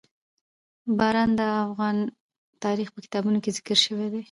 باران د افغان تاریخ په کتابونو کې ذکر شوی دي.